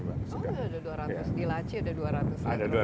oh ya ada dua ratus di laci ada dua ratus